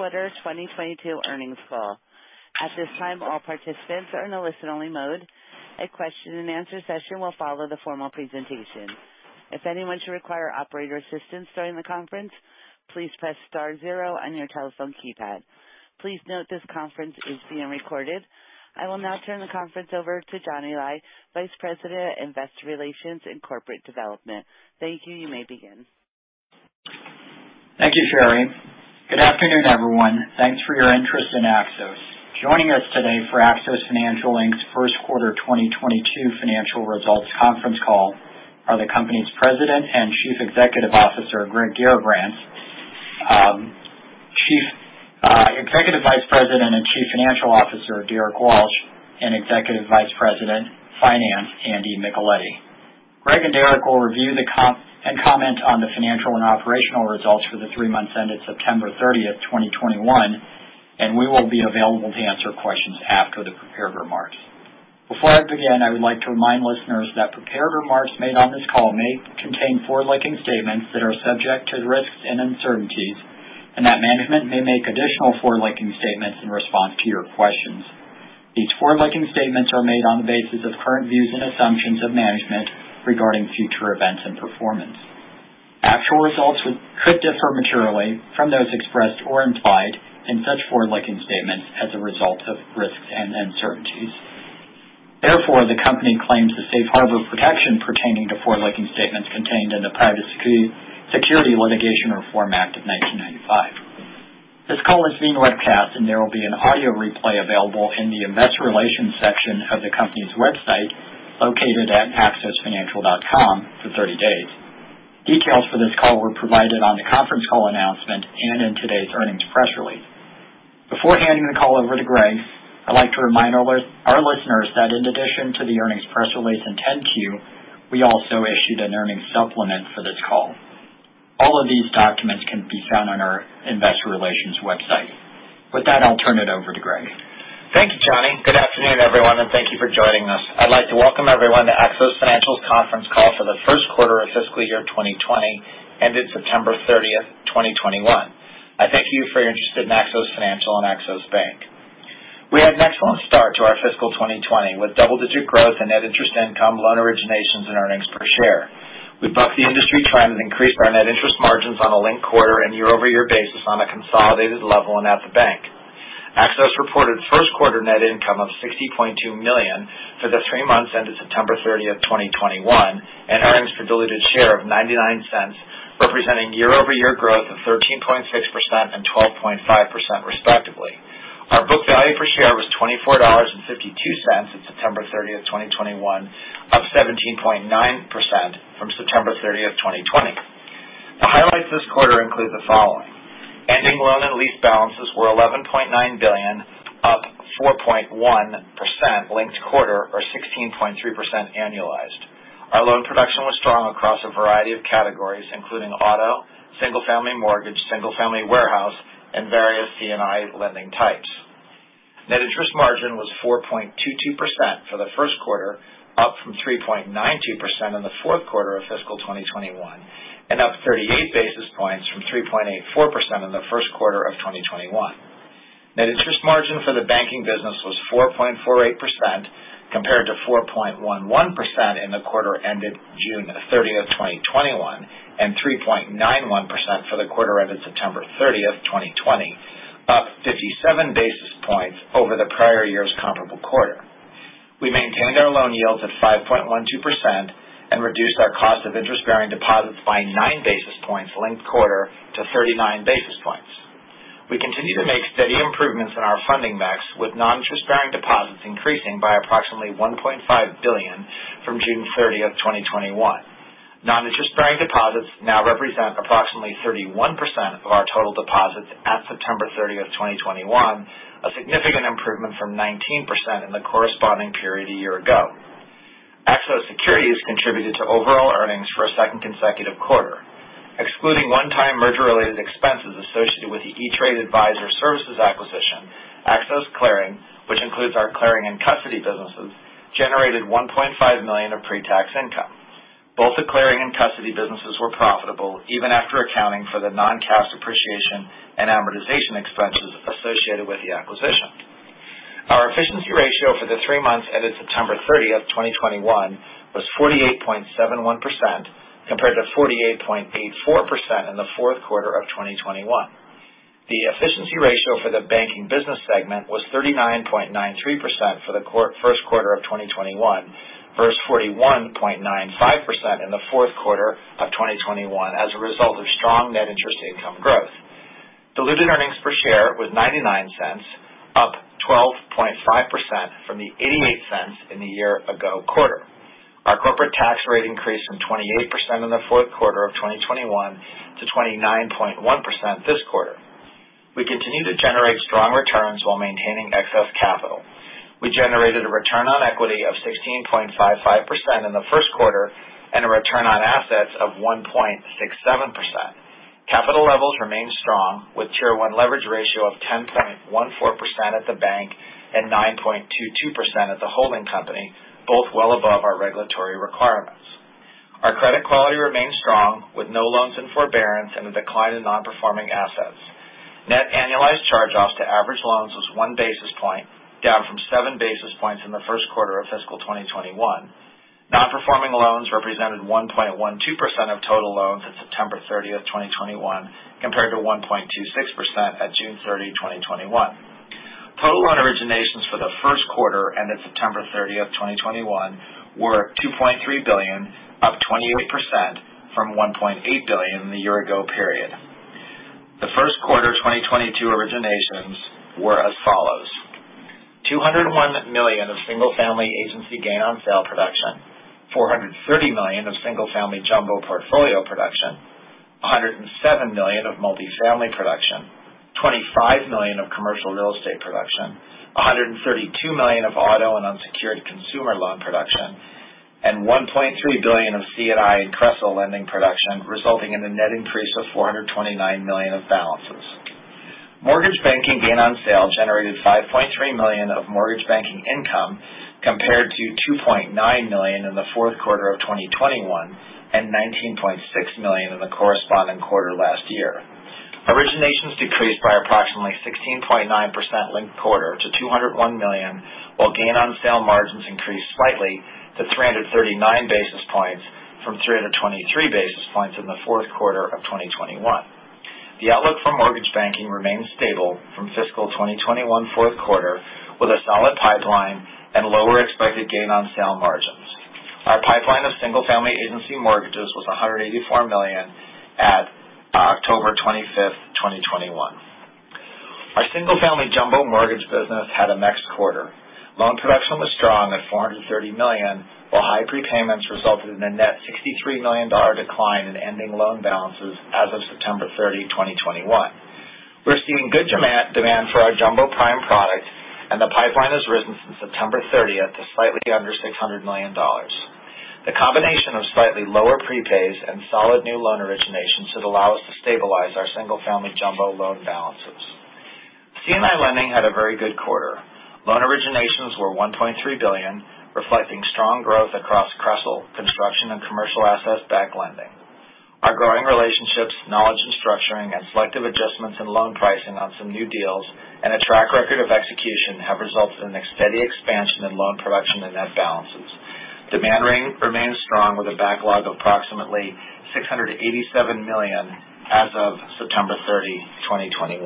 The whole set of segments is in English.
Q1 2022 earnings call. At this time, all participants are in a listen-only mode. A question-and-answer session will follow the formal presentation. If anyone should require operator assistance during the conference, please press star zero on your telephone keypad. Please note this conference is being recorded. I will now turn the conference over to Johnny Lai, Vice President, Investor Relations and Corporate Development. Thank you. You may begin. Thank you, Sherry. Good afternoon, everyone. Thanks for your interest in Axos. Joining us today for Axos Financial, Inc.'s Q1 2022 financial results conference call are the company's President and Chief Executive Officer, Greg Garrabrants, Executive Vice President and Chief Financial Officer, Derrick Walsh, and Executive Vice President, Finance, Andy Micheletti. Greg and Derrick will review and comment on the financial and operational results for the three months ended September 30th, 2021, and we will be available to answer questions after the prepared remarks. Before I begin, I would like to remind listeners that prepared remarks made on this call may contain forward-looking statements that are subject to risks and uncertainties, and that management may make additional forward-looking statements in response to your questions. These forward-looking statements are made on the basis of current views and assumptions of management regarding future events and performance. Actual results could differ materially from those expressed or implied in such forward-looking statements as a result of risks and uncertainties. Therefore, the company claims the safe harbor protection pertaining to forward-looking statements contained in the Private Securities Litigation Reform Act of 1995. This call is being webcast, and there will be an audio replay available in the investor relations section of the company's website, located at axosfinancial.com for 30 days. Details for this call were provided on the conference call announcement and in today's earnings press release. Before handing the call over to Greg, I'd like to remind our listeners that in addition to the earnings press release in 10-Q, we also issued an earnings supplement for this call. All of these documents can be found on our investor relations website. With that, I'll turn it over to Greg. Thank you, Johnny. Good afternoon, everyone, and thank you for joining us. I'd like to welcome everyone to Axos Financial's conference call for the Q1 of fiscal year 2020, ended September 30th, 2021. I thank you for your interest in Axos Financial and Axos Bank. We had an excellent start to our fiscal 2020 with double-digit growth in net interest income, loan originations and earnings per share. We bucked the industry trend and increased our net interest margins on a linked quarter and year-over-year basis on a consolidated level and at the bank. Axos reported Q1 net income of $60.2 million for the three months ended September 30th, 2021, and earnings per diluted share of $0.99, representing year-over-year growth of 13.6% and 12.5%, respectively. Our book value per share was $24.52 at September 30th, 2021, up 17.9% from September 30th, 2020. The highlights this quarter include the following. Ending loan and lease balances were $11.9 billion, up 4.1% linked quarter or 16.3% annualized. Our loan production was strong across a variety of categories, including auto, single-family mortgage, single family warehouse, and various C&I lending types. Net interest margin was 4.22% for the Q1, up from 3.92% in the Q4 of fiscal 2021, and up 38 basis points from 3.84% in the Q1 of 2021. Net interest margin for the banking business was 4.48% compared to 4.11% in the quarter ended June 30th, 2021, and 3.91% for the quarter ended September 30th, 2020, up 57 basis points over the prior year's comparable quarter. We maintained our loan yields at 5.12% and reduced our cost of interest-bearing deposits by 9 basis points linked quarter to 39 basis points. We continue to make steady improvements in our funding mix, with non-interest bearing deposits increasing by approximately $1.5 billion from June 30th, 2021. Non-interest bearing deposits now represent approximately 31% of our total deposits at September 30th, 2021, a significant improvement from 19% in the corresponding period a year ago. Axos Securities contributed to overall earnings for a second consecutive quarter, excluding one-time merger related expenses associated with the E*TRADE Advisor Services acquisition. Axos Clearing, which includes our clearing and custody businesses, generated $1.5 million of pre-tax income. Both the clearing and custody businesses were profitable even after accounting for the non-cash depreciation and amortization expenses associated with the acquisition. Our efficiency ratio for the three months ended September 30th, 2021, was 48.71% compared to 48.84% in the Q4 of 2021. The efficiency ratio for the banking business segment was 39.93% for the Q1 of 2021 versus 41.95% in the Q4 of 2021 as a result of strong net interest income growth. Diluted earnings per share was $0.99, up 12.5% from the $0.88 in the year ago quarter. Our corporate tax rate increased from 28% in the Q4 of 2021 to 29.1% this quarter. We continue to generate strong returns while maintaining excess capital. We generated a return on equity of 16.55% in the Q1 and a return on assets of 1.67%. Capital levels remain strong, with Tier 1 leverage ratio of 10.14% at the bank and 9.22% at the holding company, both well above our regulatory requirement. Our credit quality remains strong with no loans in forbearance and a decline in non-performing assets. Net annualized charge-offs to average loans was 1 basis point, down from 7 basis points in the Q1 of fiscal 2021. Non-performing loans represented 1.12% of total loans at September 30th, 2021, compared to 1.26% at June 30th, 2021. Total loan originations for the Q1 ended September 30th, 2021 were $2.3 billion, up 28% from $1.8 billion in the year ago period. The Q1 2022 originations were as follows. $201 million of single-family agency gain on sale production. $430 million of single-family jumbo portfolio production. $107 million of multifamily production. $25 million of commercial real estate production. $132 million of auto and unsecured consumer loan production and $1.3 billion of C&I and CRE/CL lending production, resulting in a net increase of $429 million of balances. Mortgage banking gain on sale generated $5.3 million of mortgage banking income compared to $2.9 million in the Q4 of 2021 and $19.6 million in the corresponding quarter last year. Originations decreased by approximately 16.9% linked quarter to $201 million, while gain on sale margins increased slightly to 339 basis points from 323 basis points in the Q4 of 2021. The outlook for mortgage banking remains stable from fiscal 2021 Q4 with a solid pipeline and lower expected gain on sale margins. Our pipeline of single family agency mortgages was $184 million at October 25th, 2021. Our single family jumbo mortgage business had a mixed quarter. Loan production was strong at $430 million, while high prepayments resulted in a net $63 million decline in ending loan balances as of September 30th, 2021. We're seeing good demand for our jumbo prime product, and the pipeline has risen since September 30th to slightly under $600 million. The combination of slightly lower prepays and solid new loan originations should allow us to stabilize our single family jumbo loan balances. C&I lending had a very good quarter. Loan originations were $1.3 billion, reflecting strong growth across CRE/CL, construction, and commercial asset-backed lending. Our growing relationships, knowledge in structuring, and selective adjustments in loan pricing on some new deals, and a track record of execution have resulted in a steady expansion in loan production and net balances. Demand remains strong with a backlog of approximately $687 million as of September 30th, 2021.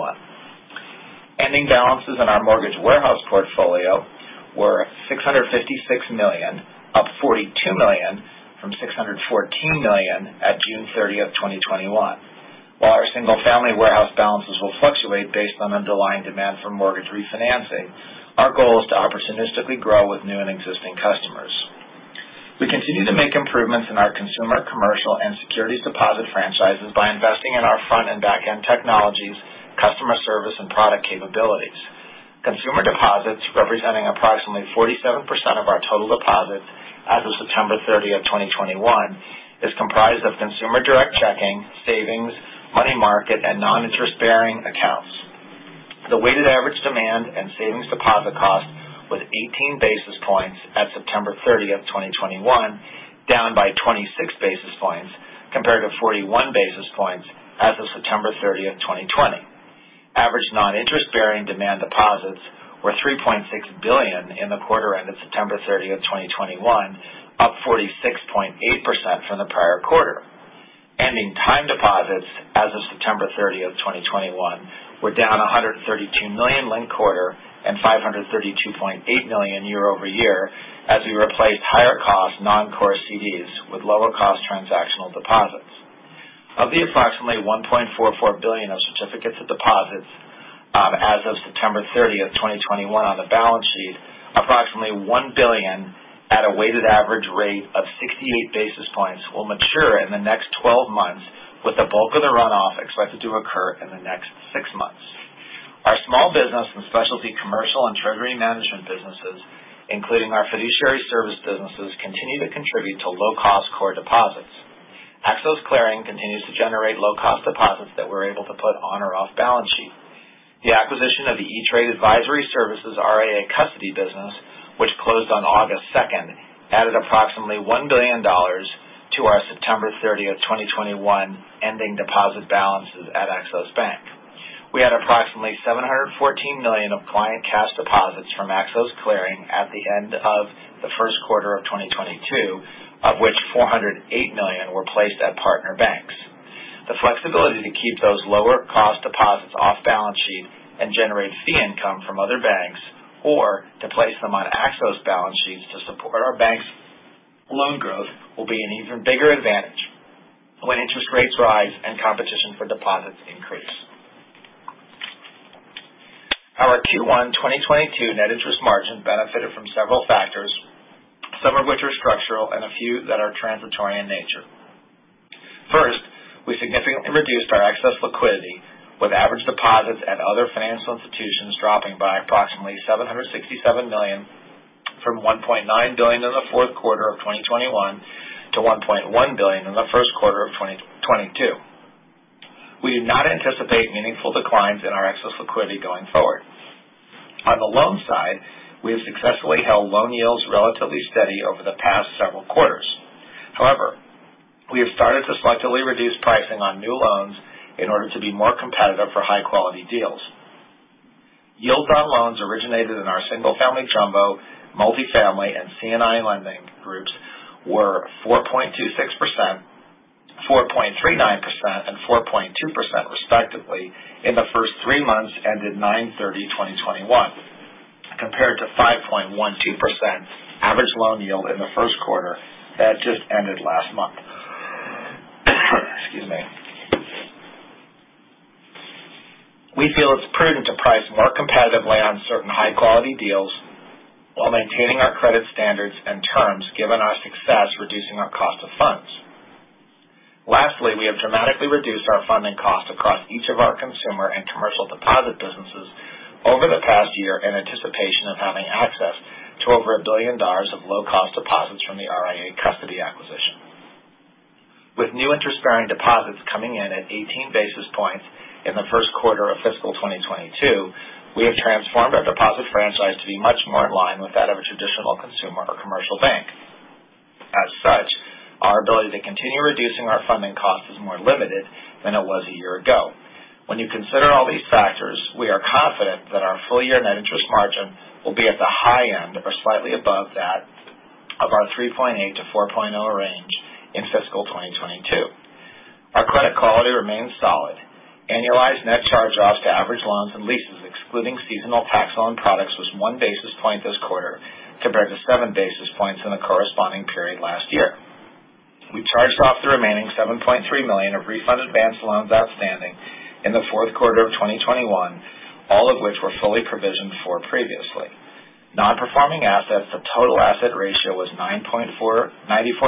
Ending balances in our mortgage warehouse portfolio were $656 million, up $42 million from $614 million at June 30th, 2021. While our single-family warehouse balances will fluctuate based on underlying demand for mortgage refinancing, our goal is to opportunistically grow with new and existing customers. We continue to make improvements in our consumer, commercial, and securities deposit franchises by investing in our front and back-end technologies, customer service, and product capabilities. Consumer deposits, representing approximately 47% of our total deposits as of September 30th, 2021, is comprised of consumer direct checking, savings, money market, and non-interest-bearing accounts. The weighted average demand and savings deposit cost was 18 basis points at September 30th, 2021, down by 26 basis points compared to 41 basis points as of September 30th, 2020. Average non-interest-bearing demand deposits were $3.6 billion in the quarter ended September 30th, 2021, up 46.8% from the prior quarter. Ending time deposits as of September 30th, 2021, were down $132 million linked-quarter and $532.8 million year-over-year as we replaced higher cost non-core CDs with lower cost transactional deposits. Of the approximately $1.44 billion of certificates of deposits as of September 30th, 2021 on the balance sheet, approximately $1 billion at a weighted average rate of 68 basis points will mature in the next 12 months, with the bulk of the runoff expected to occur in the next six months. Our small business and specialty commercial and treasury management businesses, including our fiduciary service businesses, continue to contribute to low cost core deposits. Axos Clearing continues to generate low cost deposits that we're able to put on or off balance sheet. The acquisition of the E*TRADE Advisor Services RIA custody business, which closed on August 2nd, added approximately $1 billion to our September 30th, 2021 ending deposit balances at Axos Bank. We had approximately $714 million of client cash deposits from Axos Clearing at the end of the Q1 of 2022, of which $408 million were placed at partner banks. The flexibility to keep those lower cost deposits off balance sheet and generate fee income from other banks, or to place them on Axos balance sheets to support our bank's loan growth, will be an even bigger advantage when interest rates rise and competition for deposits increase. Our Q1 2022 net interest margin benefited from several factors, some of which are structural and a few that are transitory in nature. First, we significantly reduced our excess liquidity, with average deposits at other financial institutions dropping by approximately $767 million from $1.9 billion in the Q4 of 2021 to $1.1 billion in the Q1 of 2022. We do not anticipate meaningful declines in our excess liquidity going forward. On the loan side, we have successfully held loan yields relatively steady over the past several quarters. However, we have started to selectively reduce pricing on new loans in order to be more competitive for high quality deals. Yields on loans originated in our single family jumbo, multi-family, and C&I lending groups were 4.26%, 4.39%, and 4.2% respectively in the first three months ended 9/30/2021, compared to 5.12% average loan yield in the Q1 that just ended last month. Excuse me. We feel it's prudent to price more competitively on certain high quality deals while maintaining our credit standards and terms, given our success reducing our cost of funds. Lastly, we have dramatically reduced our funding costs across each of our consumer and commercial deposit businesses over the past year in anticipation of having access to over $1 billion of low cost deposits from the RIA custody acquisition. With new interest-bearing deposits coming in at 18 basis points in the Q1 of fiscal 2022, we have transformed our deposit franchise to be much more in line with that of a traditional consumer or commercial bank. As such, our ability to continue reducing our funding costs is more limited than it was a year ago. When you consider all these factors, we are confident that our full-year net interest margin will be at the high end or slightly above that of our 3.8%-4.0% range in fiscal 2022. Our credit quality remains solid. Annualized net charge-offs to average loans and leases, excluding seasonal tax loan products, was 1 basis point this quarter, compared to 7 basis points in the corresponding period last year. We charged off the remaining $7.3 million of refund advance loans outstanding in the Q4 of 2021, all of which were fully provisioned for previously. Non-performing assets to total asset ratio was 94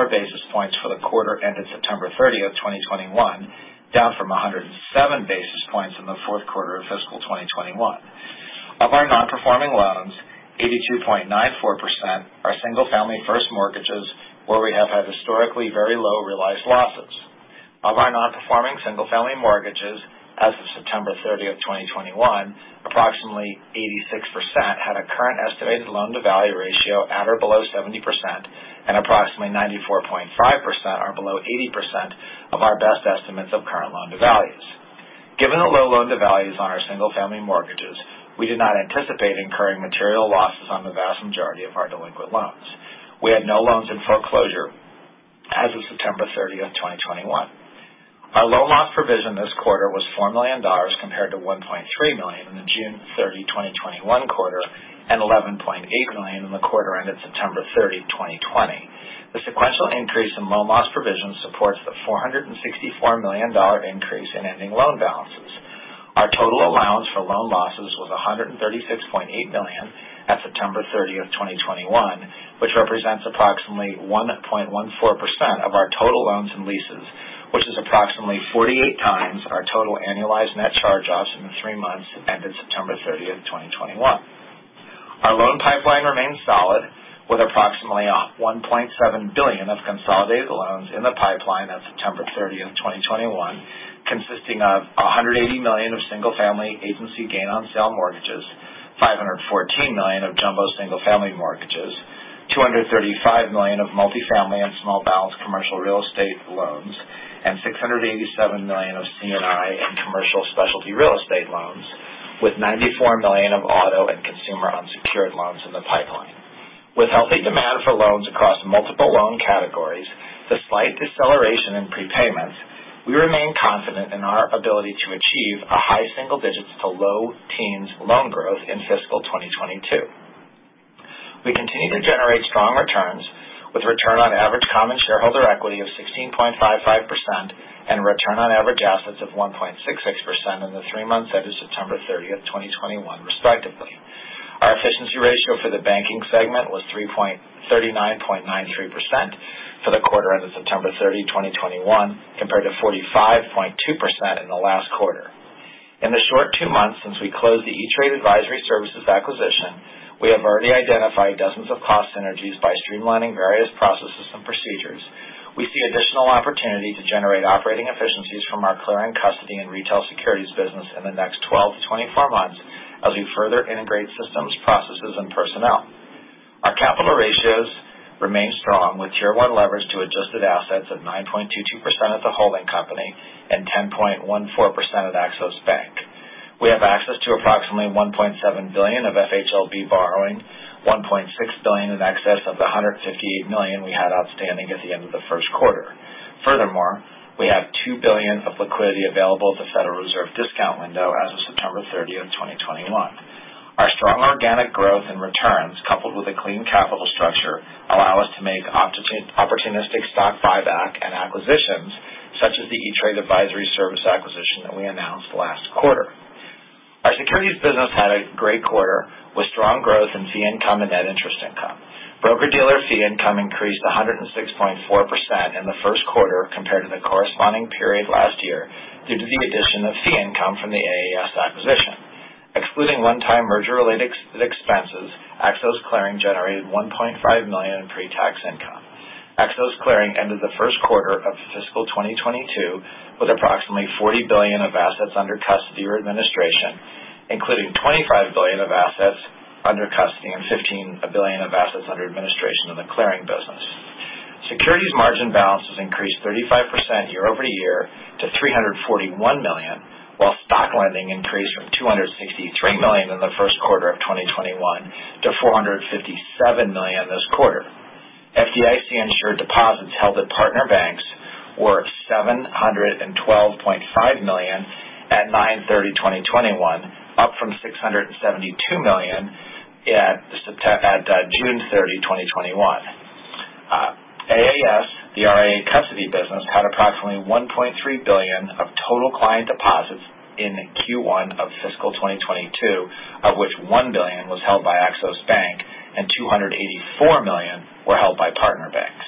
basis points for the quarter ended September 30th, 2021, down from 107 basis points in the Q4 of fiscal 2021. Of our non-performing loans, 82.94% are single-family first mortgages where we have had historically very low realized losses. Of our non-performing single-family mortgages as of September 30th, 2021, approximately 86% had a current estimated loan to value ratio at or below 70% and approximately 94.5% are below 80% of our best estimates of current loan to values. Given the low loan to values on our single family mortgages, we do not anticipate incurring material losses on the vast majority of our delinquent loans. We had no loans in foreclosure as of September 30th, 2021. Our loan loss provision this quarter was $4 million compared to $1.3 million in the June 30th, 2021 quarter and $11.8 million in the quarter ended September 30th, 2020. The sequential increase in loan loss provisions supports the $464 million increase in ending loan balances. Our total allowance for loan losses was $136.8 million at September 30th, 2021, which represents approximately 1.14% of our total loans and leases, which is approximately 48x our total annualized net charge-offs in the three months ended September 30th, 2021. Our loan pipeline remains solid with approximately $1.7 billion of consolidated loans in the pipeline at September 30th, 2021, consisting of $180 million of single family agency gain on sale mortgages, $514 million of jumbo single family mortgages, $235 million of multifamily and small balance commercial real estate loans, and $687 million of C&I and commercial specialty real estate loans with $94 million of auto and consumer unsecured loans in the pipeline. With healthy demand for loans across multiple loan categories, the slight deceleration in prepayments, we remain confident in our ability to achieve high single digits to low teens loan growth in fiscal 2022. We continue to generate strong returns with return on average common shareholder equity of 16.55% and return on average assets of 1.66% in the three months ended September 30th, 2021, respectively. Our efficiency ratio for the banking segment was 39.93% for the quarter ended September 30th, 2021, compared to 45.2% in the last quarter. In the short two months since we closed the E*TRADE Advisor Services acquisition, we have already identified dozens of cost synergies by streamlining various processes and procedures. We see additional opportunity to generate operating efficiencies from our clearing custody and retail securities business in the next 12-24 months as we further integrate systems, processes, and personnel. Our capital ratios remain strong with tier one leverage to adjusted assets at 9.22% at the holding company and 10.14% at Axos Bank. We have access to approximately $1.7 billion of FHLB borrowing, $1.6 billion in excess of the $158 million we had outstanding at the end of the Q1. Furthermore, we have $2 billion of liquidity available at the Federal Reserve discount window as of September 30th, 2021. Our strong organic growth and returns, coupled with a clean capital structure, allow us to make opportunistic stock buyback and acquisitions such as the E*TRADE Advisor Services acquisition that we announced last quarter. Our securities business had a great quarter with strong growth in fee income and net interest income. Broker-dealer fee income increased 106.4% in the Q1 compared to the corresponding period last year due to the addition of fee income from the AAS acquisition. One-time merger-related expenses. Axos Clearing generated $1.5 million in pre-tax income. Axos Clearing ended the Q1 of fiscal 2022 with approximately $40 billion of assets under custody or administration, including $25 billion of assets under custody and $15 billion of assets under administration in the clearing business. Securities margin balances increased 35% year-over-year to $341 million, while stock lending increased from $263 million in the Q1 of 2021 to $457 million this quarter. FDIC insured deposits held at partner banks were at $712.5 million at 9/30/2021, up from $672 million at June 30th, 2021. AAS, the RIA custody business, had approximately $1.3 billion of total client deposits in Q1 of fiscal 2022, of which $1 billion was held by Axos Bank and $284 million were held by partner banks.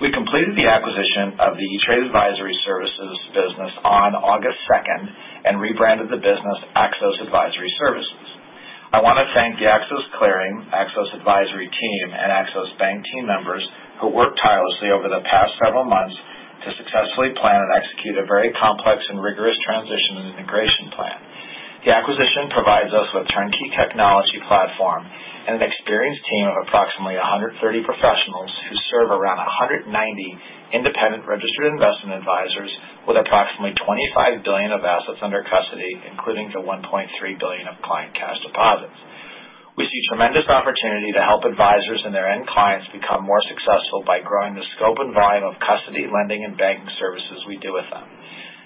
We completed the acquisition of the E*TRADE Advisor Services business on August 2nd and rebranded the business Axos Advisor Services. I wanna thank the Axos Clearing, Axos Advisory team and Axos Bank team members who worked tirelessly over the past several months to successfully plan and execute a very complex and rigorous transition and integration plan. The acquisition provides us with a turnkey technology platform and an experienced team of approximately 130 professionals who serve around 190 independent registered investment advisors with approximately $25 billion of assets under custody, including the $1.3 billion of client cash deposits. We see tremendous opportunity to help advisors and their end clients become more successful by growing the scope and volume of custody, lending and banking services we do with them.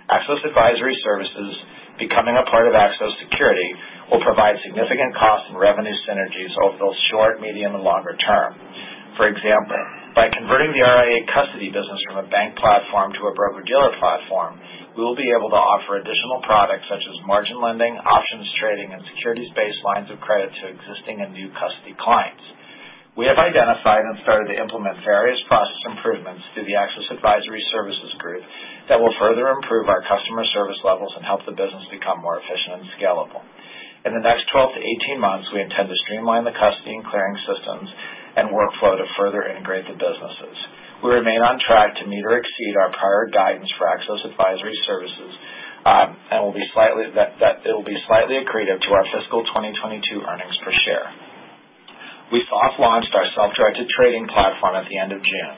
Axos Advisor Services becoming a part of Axos Securities will provide significant cost and revenue synergies over both short, medium and longer term. For example, by converting the RIA custody business from a bank platform to a broker-dealer platform, we will be able to offer additional products such as margin lending, options trading and securities-based lines of credit to existing and new custody clients. We have identified and started to implement various process improvements through the Axos Advisor Services group that will further improve our customer service levels and help the business become more efficient and scalable. In the next 12 to 18 months, we intend to streamline the custody and clearing systems and workflow to further integrate the businesses. We remain on track to meet or exceed our prior guidance for Axos Advisor Services, and will be slightly accretive to our fiscal 2022 earnings per share. We soft launched our self-directed trading platform at the end of June.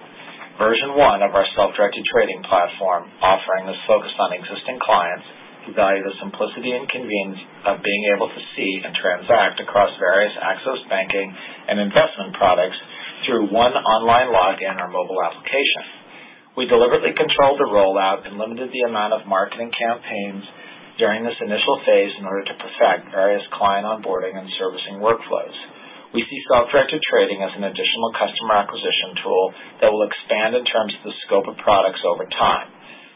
Version 1 of our self-directed trading platform offering is focused on existing clients who value the simplicity and convenience of being able to see and transact across various Axos banking and investment products through one online login or mobile application. We deliberately controlled the rollout and limited the amount of marketing campaigns during this initial phase in order to perfect various client onboarding and servicing workflows. We see self-directed trading as an additional customer acquisition tool that will expand in terms of the scope of products over time.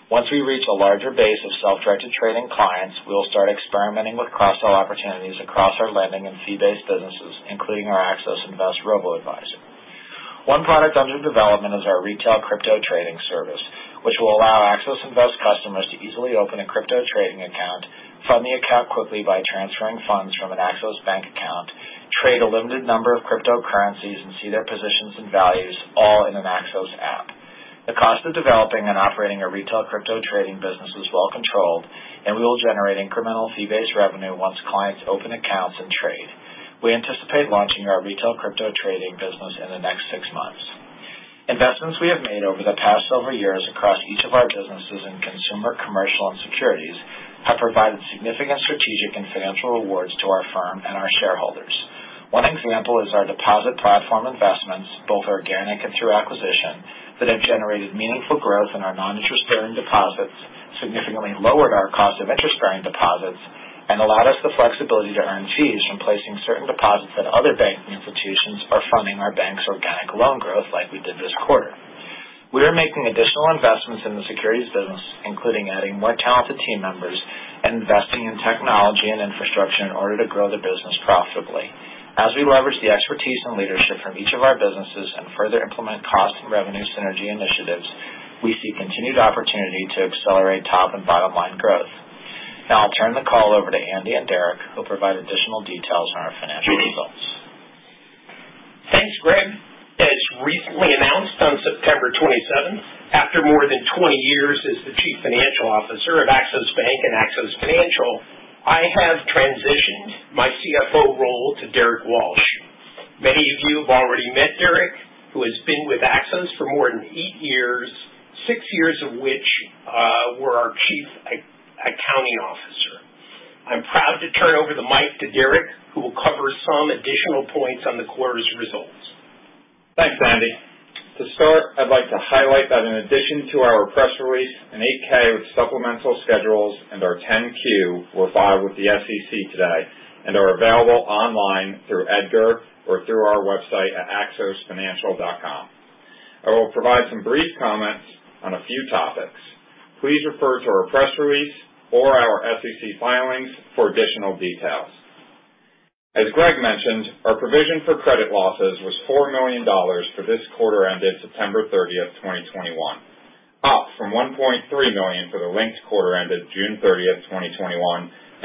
Once we reach a larger base of self-directed trading clients, we will start experimenting with cross-sell opportunities across our lending and fee-based businesses, including our Axos Invest robo-advisory. One product under development is our retail crypto trading service, which will allow Axos Invest customers to easily open a crypto trading account, fund the account quickly by transferring funds from an Axos Bank account, trade a limited number of cryptocurrencies and see their positions and values all in an Axos app. The cost of developing and operating a retail crypto trading business is well controlled and we will generate incremental fee-based revenue once clients open accounts and trade. We anticipate launching our retail crypto trading business in the next six months. Investments we have made over the past several years across each of our businesses in consumer, commercial and securities have provided significant strategic and financial rewards to our firm and our shareholders. One example is our deposit platform investments, both organic and through acquisition, that have generated meaningful growth in our non-interest bearing deposits, significantly lowered our cost of interest-bearing deposits, and allowed us the flexibility to earn fees from placing certain deposits at other banking institutions or funding our bank's organic loan growth like we did this quarter. We are making additional investments in the securities business, including adding more talented team members and investing in technology and infrastructure in order to grow the business profitably. As we leverage the expertise and leadership from each of our businesses and further implement cost and revenue synergy initiatives, we see continued opportunity to accelerate top and bottom line growth. Now I'll turn the call over to Andy and Derrick, who'll provide additional details on our financial results. Thanks, Greg. As recently announced on September 27th, after more than 20 years as the Chief Financial Officer of Axos Bank and Axos Financial, I have transitioned my CFO role to Derrick Walsh. Many of you have already met Derrick, who has been with Axos for more than eight years, six years of which were our Chief Accounting Officer. I'm proud to turn over the mic to Derrick, who will cover some additional points on the quarter's results. Thanks, Andy. To start, I'd like to highlight that in addition to our press release, an 8-K with supplemental schedules and our 10-Q were filed with the SEC today and are available online through EDGAR or through our website at axosfinancial.com. I will provide some brief comments on a few topics. Please refer to our press release or our SEC filings for additional details. As Greg mentioned, our provision for credit losses was $4 million for this quarter ended September 30th, 2021 up from $1.3 million for the linked quarter ended June 30th, 2021,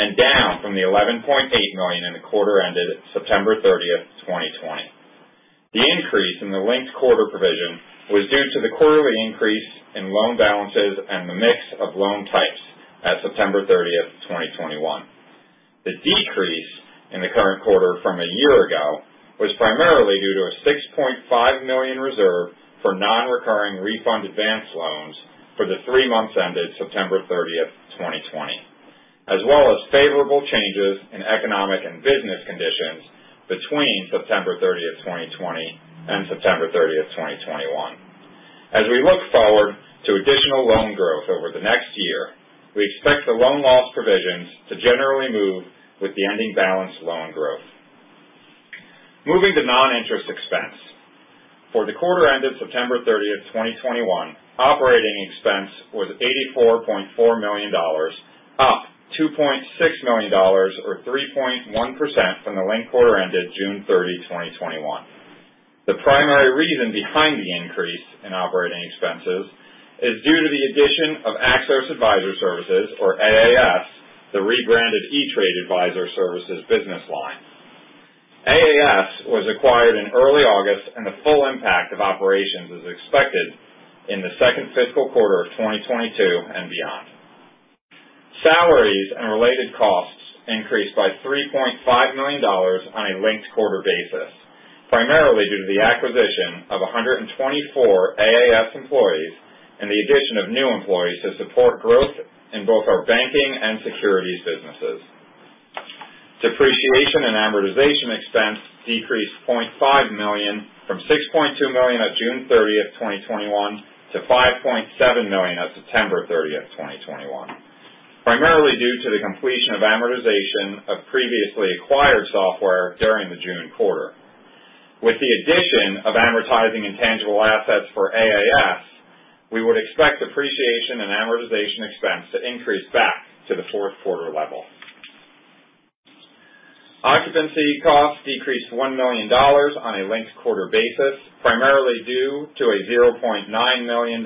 and down from the $11.8 million in the quarter ended September 30th, 2020. The increase in the linked quarter provision was due to the quarterly increase in loan balances and the mix of loan types at September 30th, 2021. The decrease in the current quarter from a year ago was primarily due to a $6.5 million reserve for non-recurring refund advance loans for the three months ended September 30th, 2020, as well as favorable changes in economic and business conditions between September 30th, 2020, and September 30th, 2021. As we look forward to additional loan growth over the next year, we expect the loan loss provisions to generally move with the ending balance loan growth. Moving to non-interest expense. For the quarter ended September 30th, 2021, operating expense was $84.4 million, up $2.6 million or 3.1% from the linked quarter ended June 30th, 2021. The primary reason behind the increase in operating expenses is due to the addition of Axos Advisor Services, or AAS, the rebranded E*TRADE Advisor Services business line. AAS was acquired in early August and the full impact of operations is expected in the second fiscal quarter of 2022 and beyond. Salaries and related costs increased by $3.5 million on a linked quarter basis, primarily due to the acquisition of 124 AAS employees and the addition of new employees to support growth in both our banking and securities businesses. Depreciation and amortization expense decreased $0.5 million from $6.2 million at June 30th, 2021 to $5.7 million at September 30th, 2021, primarily due to the completion of amortization of previously acquired software during the June quarter. With the addition of advertising intangible assets for AAS, we would expect depreciation and amortization expense to increase back to the Q4 level. Occupancy costs decreased $1 million on a linked quarter basis, primarily due to a $0.9 million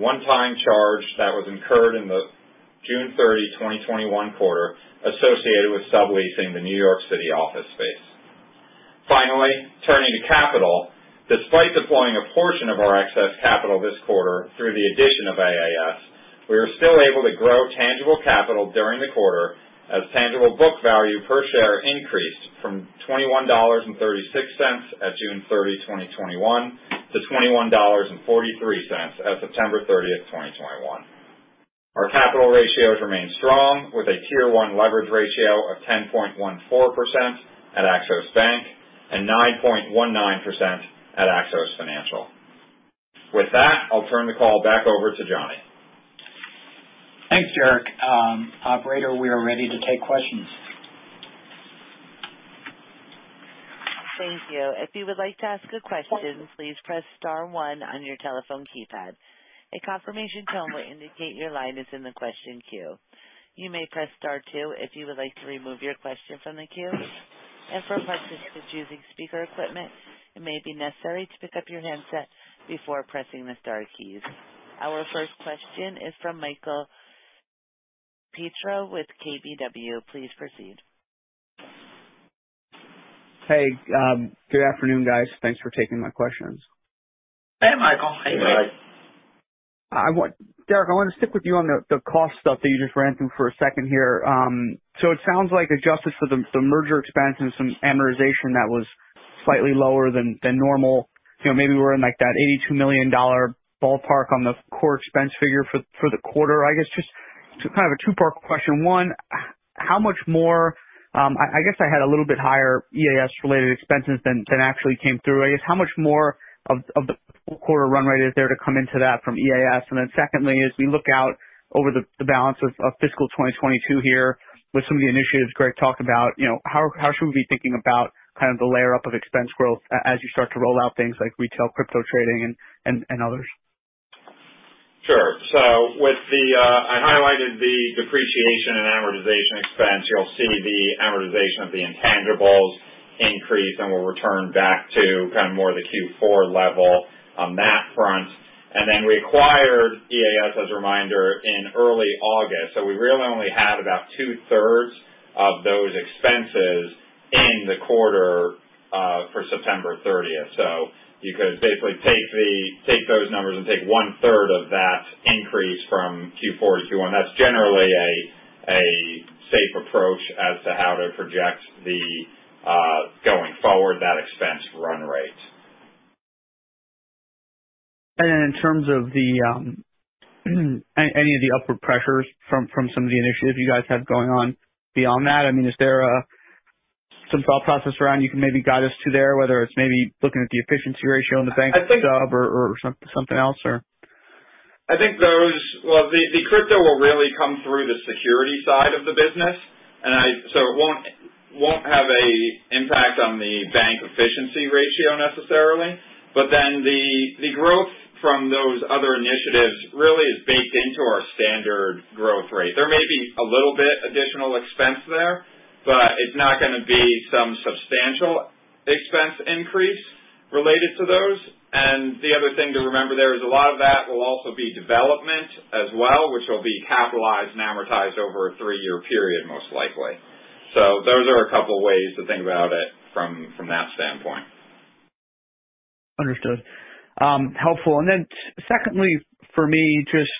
one-time charge that was incurred in the June 30th, 2021 quarter associated with subleasing the New York City office space. Finally, turning to capital. Despite deploying a portion of our excess capital this quarter through the addition of AAS, we are still able to grow tangible capital during the quarter as tangible book value per share increased from $21.36 at June 30th, 2021 to $21.43 at September 30th, 2021. Our capital ratios remain strong with a tier one leverage ratio of 10.14% at Axos Bank and 9.19% at Axos Financial. With that, I'll turn the call back over to Johnny. Thanks, Derrick. Operator, we are ready to take questions. Thank you. If you would like to ask a question, please press star one on your telephone keypad. A confirmation tone will indicate your line is in the question queue. You may press star two if you would like to remove your question from the queue. For participants using speaker equipment, it may be necessary to pick up your handset before pressing the star keys. Our first question is from Michael Perito with KBW. Please proceed. Hey, good afternoon, guys. Thanks for taking my questions. Hey, Michael. Hey, Mike. Derrick, I want to stick with you on the cost stuff that you just ran through for a second here so it sounds like adjusted for the merger expense and some amortization that was slightly lower than normal. You know, maybe we're in, like, that $82 million ballpark on the core expense figure for the quarter. I guess just kind of a two-part question. One, how much more. I guess I had a little bit higher EAS related expenses than actually came through. I guess, how much more of the full quarter run rate is there to come into that from EAS? Secondly, as we look out over the balance of fiscal 2022 here with some of the initiatives Greg talked about, you know, how should we be thinking about kind of the layer-up of expense growth as you start to roll out things like retail crypto trading and others? Sure. I highlighted the depreciation and amortization expense. You'll see the amortization of the intangibles increase, and we'll return back to kind of more of the Q4 level on that front. We acquired EAS, as a reminder, in early August. We really only had about two-thirds of those expenses in the quarter for September 30th. You could basically take those numbers and take one-third of that increase from Q4 to Q1. That's generally a safe approach as to how to project the going forward that expense run rate. In terms of the any of the upward pressures from some of the initiatives you guys have going on beyond that. I mean, is there some thought process around you can maybe guide us to there, whether it's maybe looking at the efficiency ratio in the banking sub or something else or? I think. Well, the crypto will really come through the securities side of the business. It won't have an impact on the bank efficiency ratio necessarily. The growth from those other initiatives really is standard growth rate. There may be a little bit additional expense there, but it's not gonna be some substantial expense increase related to those. The other thing to remember there is a lot of that will also be development as well, which will be capitalized and amortized over a three-year period, most likely. Those are a couple of ways to think about it from that standpoint. Understood. Helpful. Secondly, for me, just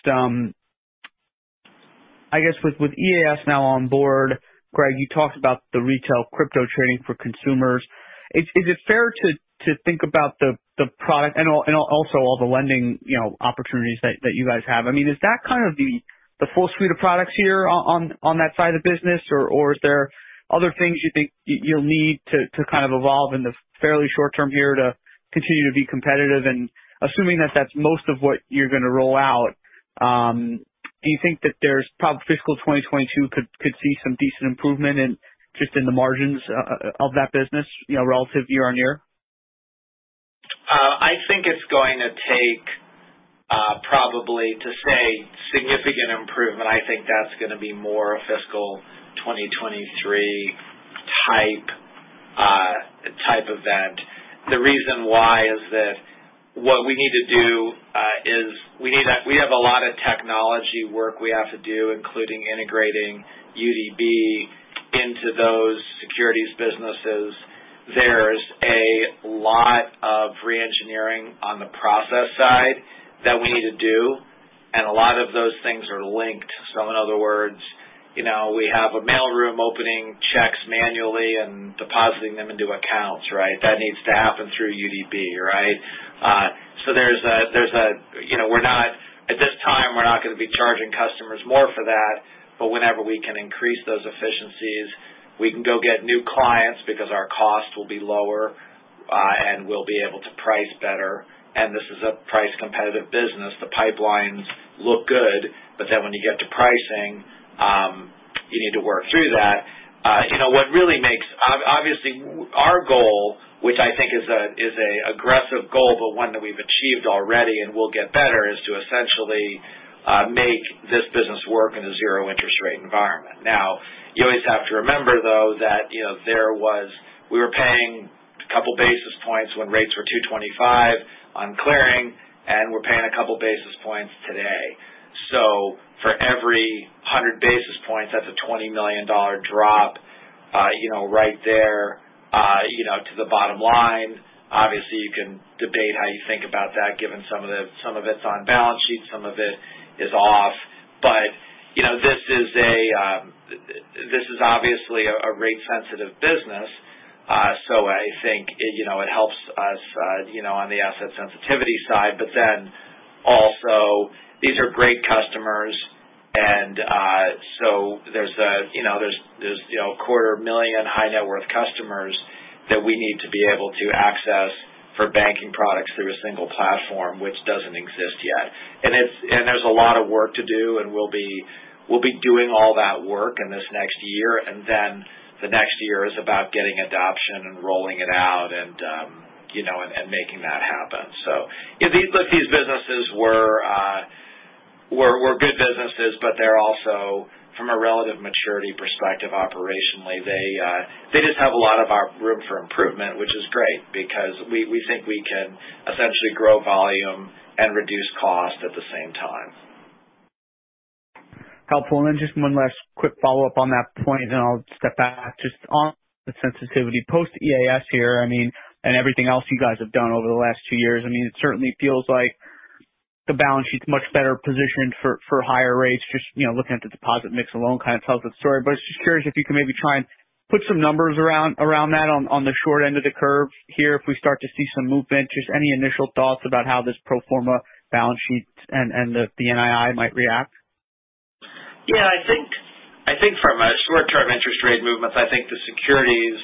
I guess with EAS now on board, Greg, you talked about the retail crypto trading for consumers. Is it fair to think about the product and also all the lending, you know, opportunities that you guys have? I mean, is that kind of the full suite of products here on that side of the business or is there other things you think you'll need to kind of evolve in the fairly short term here to continue to be competitive? Assuming that that's most of what you're gonna roll out, do you think that fiscal 2022 could see some decent improvement in just the margins of that business, you know, relative year-over-year? I think it's going to take, probably to say, significant improvement. I think that's gonna be more a fiscal 2023 type event. The reason why is that what we need to do is we have a lot of technology work we have to do, including integrating UDB into those securities businesses. There's a lot of re-engineering on the process side that we need to do, and a lot of those things are linked. In other words, you know, we have a mail room opening checks manually and depositing them into accounts, right? That needs to happen through UDB, right? You know, at this time, we're not gonna be charging customers more for that. Whenever we can increase those efficiencies, we can go get new clients because our costs will be lower, and we'll be able to price better. This is a price competitive business. The pipelines look good, but then when you get to pricing, you need to work through that. Obviously our goal, which I think is an aggressive goal, but one that we've achieved already and will get better, is to essentially make this business work in a zero interest rate environment. Now, you always have to remember though, that, you know, there was, we were paying a couple basis points when rates were 2.25 on clearing, and we're paying a couple basis points today. For every 100 basis points, that's a $20 million drop, you know, right there, you know, to the bottom line. Obviously, you can debate how you think about that given some of it's on balance sheet, some of it is off. You know, this is obviously a rate sensitive business. I think, you know, it helps us, you know, on the asset sensitivity side. Then also these are great customers. There's, you know, 250,000 high net worth customers that we need to be able to access for banking products through a single platform which doesn't exist yet. It's a lot of work to do, and we'll be doing all that work in this next year. The next year is about getting adoption and rolling it out and, you know, and making that happen. If these businesses were good businesses, but they're also from a relative maturity perspective operationally, they just have a lot of room for improvement, which is great because we think we can essentially grow volume and reduce cost at the same time. Helpful. Then just one last quick follow-up on that point and then I'll step back. Just on the sensitivity post EAS here, I mean, and everything else you guys have done over the last two years, I mean, it certainly feels like the balance sheet's much better positioned for higher rates. Just, you know, looking at the deposit mix alone kind of tells the story. Just curious if you can maybe try and put some numbers around that on the short end of the curve here if we start to see some movement. Just any initial thoughts about how this pro forma balance sheet and the NII might react. Yeah, I think from a short term interest rate movements, I think the securities,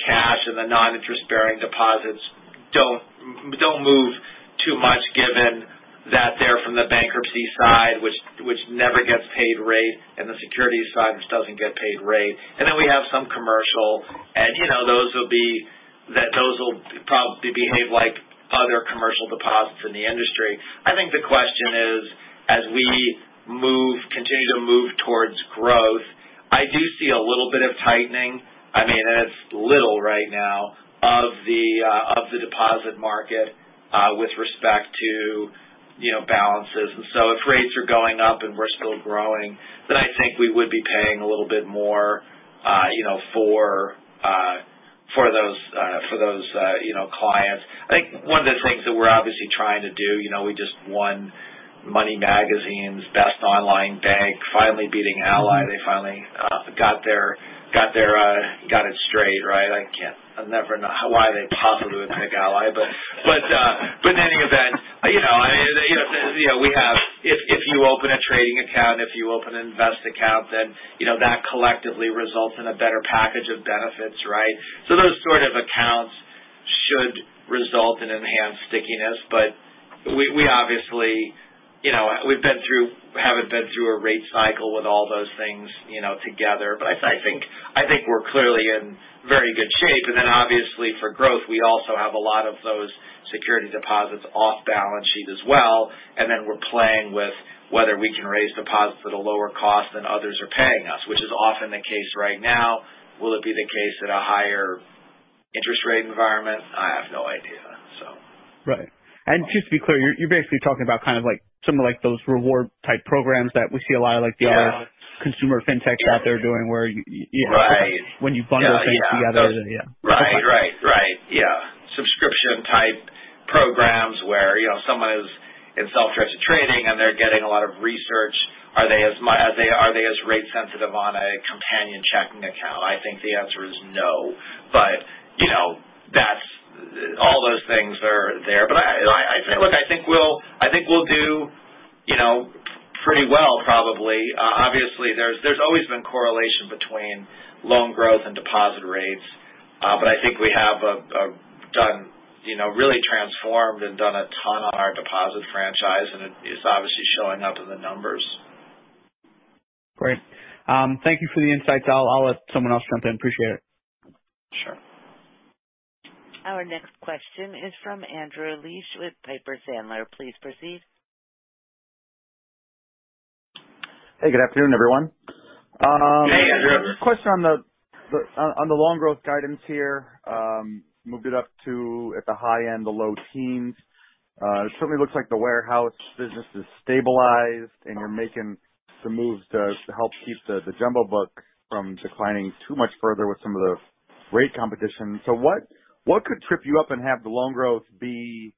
cash and the non-interest bearing deposits don't move too much given that they're from the bankruptcy side which never gets paid rate and the securities side which doesn't get paid rate. We have some commercial and, you know, those will probably behave like other commercial deposits in the industry. I think the question is, as we continue to move towards growth, I do see a little bit of tightening. I mean, it's little right now of the deposit market with respect to, you know, balances. If rates are going up and we're still growing, then I think we would be paying a little bit more, you know, for those clients. I think one of the things that we're obviously trying to do, you know, we just won Money magazine's Best Online Bank, finally beating Ally. They finally got it straight, right? I'll never know why they possibly would pick Ally. But in any event. You know, I mean, you know, if you open a trading account, if you open an invest account, then you know, that collectively results in a better package of benefits, right? Those sort of accounts should result in enhanced stickiness. We obviously, you know, we haven't been through a rate cycle with all those things, you know, together. I think we're clearly in very good shape. Obviously for growth, we also have a lot of those security deposits off balance sheet as well. We're playing with whether we can raise deposits at a lower cost than others are paying us, which is often the case right now. Will it be the case at a higher interest rate environment? I have no idea, so. Right. Just to be clear, you're basically talking about kind of like some of, like, those reward type programs that we see a lot of, like, the other consumer fintechs out there doing where you when you bundle things together. Yeah. Right. Yeah. Subscription type programs where, you know, someone is in self-directed trading and they're getting a lot of research. Are they as rate sensitive on a companion checking account? I think the answer is no, but, you know, that's all those things are there. I look, I think we'll do, you know, pretty well probably. Obviously there's always been correlation between loan growth and deposit rates. I think we have done, you know, really transformed and done a ton on our deposit franchise, and it's obviously showing up in the numbers. Great. Thank you for the insights. I'll let someone else jump in. Appreciate it. Sure. Our next question is from Andrew Liesch with Piper Sandler. Please proceed. Hey, good afternoon, everyone. Hey, Andrew. Question on the loan growth guidance here, moved it up to at the high end, the low teens. It certainly looks like the warehouse business is stabilized, and we're making some moves to help keep the jumbo book from declining too much further with some of the rate competition. What could trip you up and have the loan growth be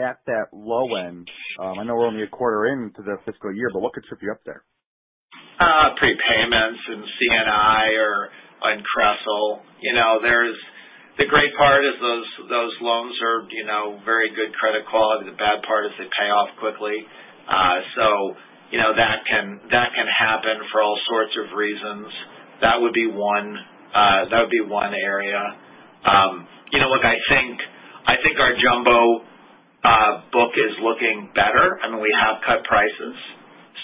at that low end? I know we're only a quarter into the fiscal year, but what could trip you up there? Prepayments and C&I or on CRE. You know, there's the great part is those loans are, you know, very good credit quality. The bad part is they pay off quickly. You know, that can happen for all sorts of reasons. That would be one. That would be one area. You know, look, I think our jumbo book is looking better, and we have cut prices.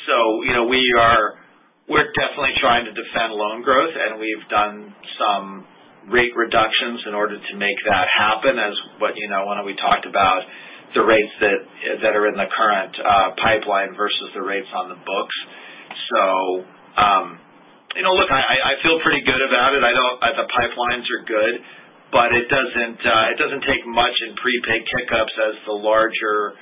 You know, we are definitely trying to defend loan growth, and we've done some rate reductions in order to make that happen as what, you know, when we talked about the rates that are in the current pipeline versus the rates on the books. You know, look, I feel pretty good about it. I know the pipelines are good, but it doesn't take much in prepaid kick-ups as the larger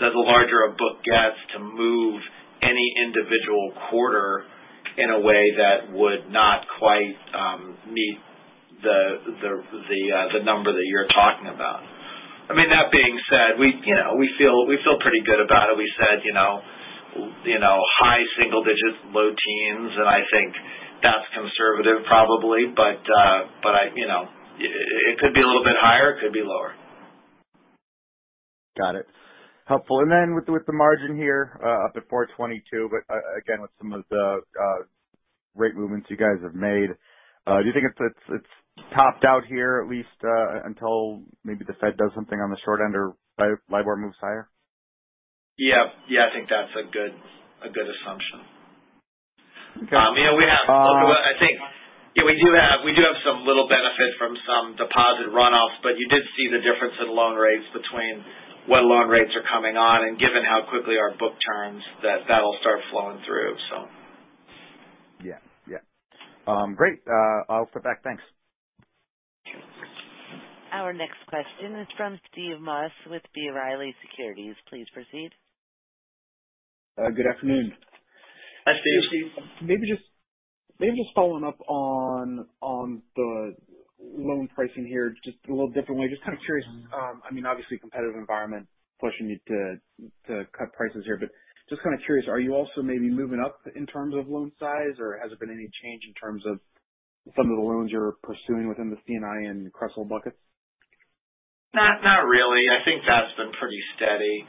a book gets to move any individual quarter in a way that would not quite meet the number that you're talking about. I mean, that being said, you know, we feel pretty good about it. We said, you know, high single digits, low teens. I think that's conservative probably. I you know it could be a little bit higher, it could be lower. Got it. Helpful. With the margin here up to 4.22%, but again, with some of the rate movements you guys have made, do you think it's topped out here at least until maybe the Fed does something on the short end or LIBOR moves higher? Yeah. Yeah, I think that's a good assumption. Okay. Um, you know, we have. Um. I think, yeah, we do have some little benefit from some deposit runoffs, but you did see the difference in loan rates between what loan rates are coming on and given how quickly our book turns, that'll start flowing through, so. Yeah. Yeah. Great. I'll step back. Thanks. Our next question is from Steve Moss with B. Riley Securities. Please proceed. Good afternoon. Hi, Steve. Maybe just following up on the loan pricing here just a little differently. Just kind of curious. I mean, obviously competitive environment pushing you to cut prices here, but just kind of curious, are you also maybe moving up in terms of loan size, or has there been any change in terms of some of the loans you're pursuing within the C&I and CRE buckets? Not really. I think that's been pretty steady.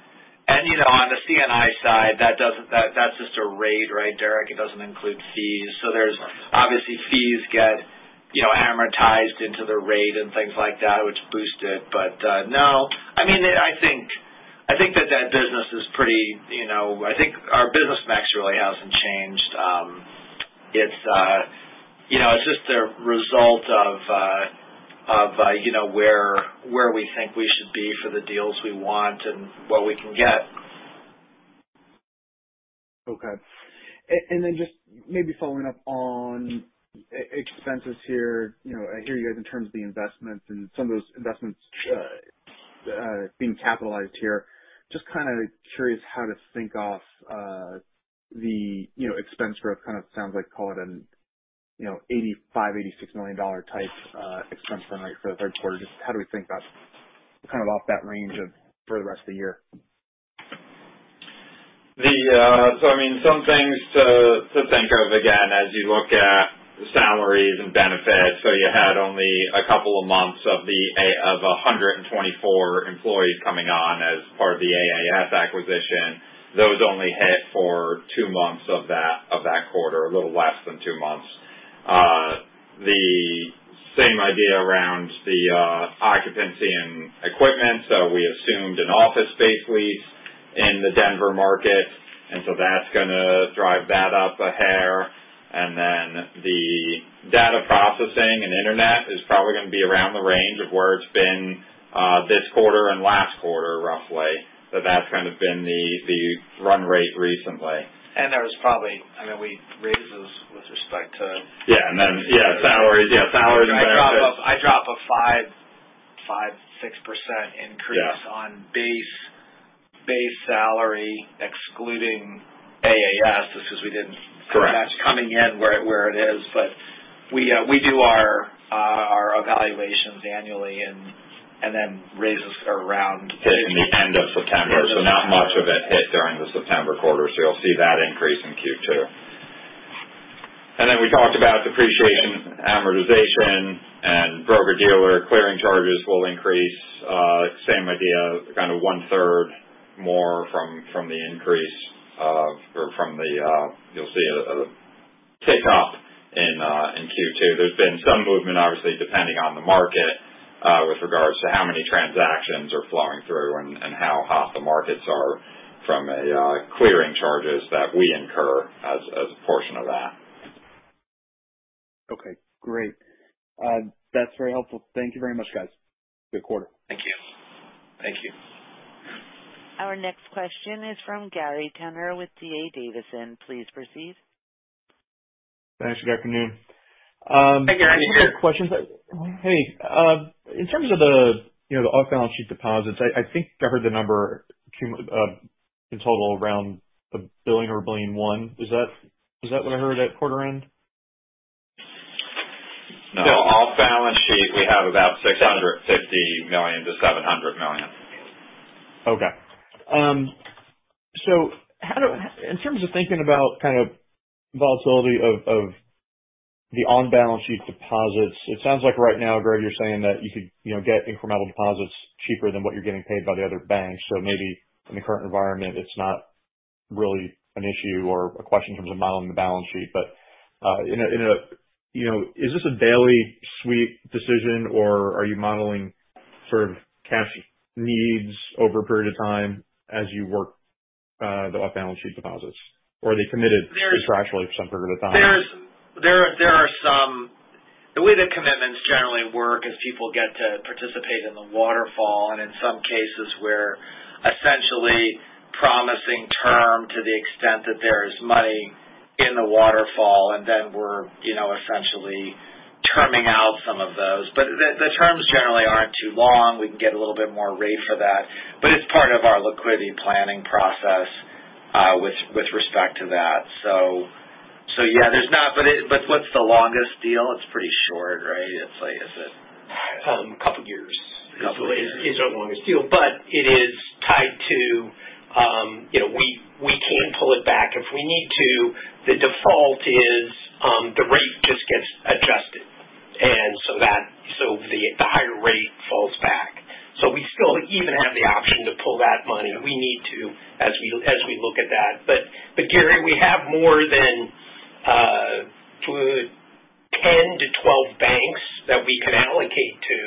You know, on the C&I side, that doesn't, that's just a rate, right, Derrick? It doesn't include fees. There's obviously fees get, you know, amortized into the rate and things like that, which boost it. No, I mean, I think that business is pretty, you know, I think our business mix really hasn't changed. It's just a result of, you know, where we think we should be for the deals we want and what we can get. Okay. Just maybe following up on expenses here. You know, I hear you guys in terms of the investments and some of those investments being capitalized here. Just kind of curious how to think of the, you know, expense growth. Kind of sounds like call it an, you know, $85 million-$86 million type expense run rate for the Q3. Just how do we think that's kind of above that range or for the rest of the year? I mean some things to think of again as you look at salaries and benefits. You had only a couple of months of the addition of 124 employees coming on as part of the AAS acquisition. Those only hit for two months of that quarter, a little less than two months. The same idea around the occupancy and equipment so we assumed an office space lease in the Denver market, and so that's gonna drive that up a hair. Then the data processing and internet is probably gonna be around the range of where it's been, this quarter and last quarter, roughly. That's kind of been the run rate recently. There was probably, I mean, we raises with respect to salaries and benefits. I drop a 5.56% increase on base salary excluding AAS, just 'cause we didn't. Correct. We do our evaluations annually and then raises are around hit in the end of September. Not much of it hit during the September quarter, so you'll see that increase in Q2. We talked about depreciation, amortization, and broker-dealer clearing charges will increase. Same idea, kind of one-third more from the increase or from the, you'll see a tick up in Q2. There's been some movement, obviously, depending on the market, with regards to how many transactions are flowing through and how hot the markets are from a clearing charges that we incur as a portion of that. Okay, great. That's very helpful. Thank you very much, guys. Good quarter. Thank you. Thank you. Our next question is from Gary Tenner with D.A. Davidson. Please proceed. Thanks. Good afternoon. Hey, Gary. I just have questions. Hey, in terms of the, you know, the off-balance sheet deposits, I think I heard the number in total around $1 billion or $1.1 billion. Is that what I heard at quarter end? No. Off-balance sheet, we have about $650 million-$700 million. Okay. In terms of thinking about kind of volatility of the on-balance sheet deposits, it sounds like right now, Greg, you're saying that you could, you know, get incremental deposits cheaper than what you're getting paid by the other banks. Maybe in the current environment, it's not really an issue or a question in terms of modeling the balance sheet. In a, you know, is this a daily sweep decision, or are you modeling sort of cash needs over a period of time as you work the off-balance sheet deposits? Or are they committed sequentially for some period of time? There are some. The way the commitments generally work is people get to participate in the waterfall, and in some cases we're essentially promising term to the extent that there is money in the waterfall, and then we're, you know, essentially terming out some of those. The terms generally aren't too long. We can get a little bit more rate for that, but it's part of our liquidity planning process with respect to that. Yeah, there's not. What's the longest deal? It's pretty short, right? It's like, is it a couple years. Couple years is our longest deal. It is tied to, we can pull it back if we need to. The default is, the rate just gets adjusted. The higher rate falls back. We still even have the option to pull that money if we need to, as we look at that. Gary, we have more than 10-12 banks that we can allocate to,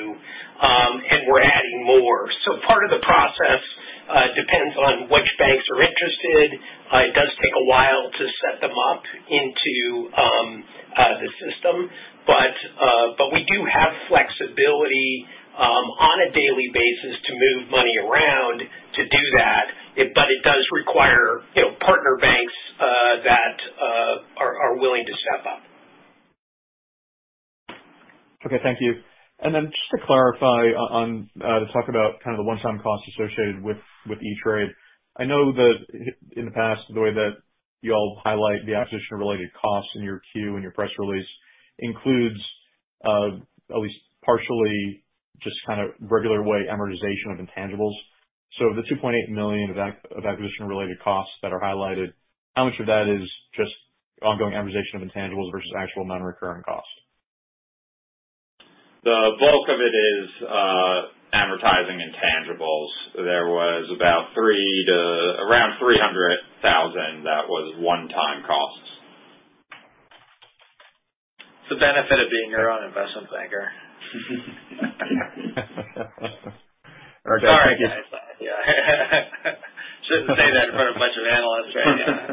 and we're adding more. Part of the process depends on which banks are interested. It does take a while to set them up into the system. We do have flexibility on a daily basis to move money around to do that. It does require, you know, partner banks that are willing to step up. Okay. Thank you. Just to clarify on the talk about kind of the one-time costs associated with E*TRADE. I know that in the past, the way that y'all highlight the acquisition-related costs in your Q and your press release includes at least partially just kind of regular way amortization of intangibles. The $2.8 million of acquisition-related costs that are highlighted, how much of that is just ongoing amortization of intangibles versus actual non-recurring costs? The bulk of it is advertising intangibles. There was about around $300,000 that was one-time costs. The benefit of being your own investment banker. All right, guys. Thank you. Sorry. Shouldn't say that in front of a bunch of analysts, right? Yeah.